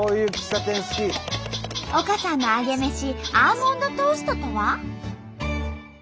丘さんのアゲメシアーモンドトーストとは？